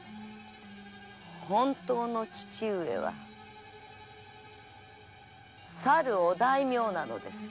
本当の父上はさるお大名なのです。